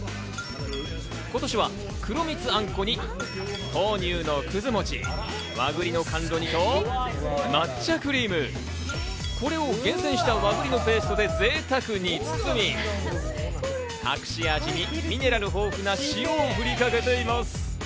今年は黒蜜あんこに豆乳のくずもち、和栗の甘露煮と、抹茶クリーム、これを厳選した和栗のペーストでぜいたくに包み、隠し味にミネラル豊富な塩を振りかけています。